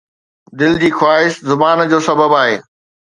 دل جي خواهش زبان جو سبب آهي